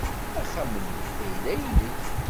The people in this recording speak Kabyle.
Axxam-nni d ayla-nnek.